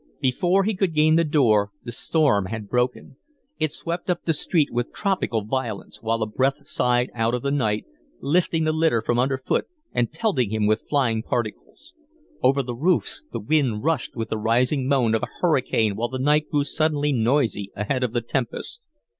Before he could gain the door the storm had broken. It swept up the street with tropical violence, while a breath sighed out of the night, lifting the litter from underfoot and pelting him with flying particles. Over the roofs the wind rushed with the rising moan of a hurricane while the night grew suddenly noisy ahead of the tempest.